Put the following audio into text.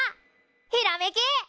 ひらめきっ！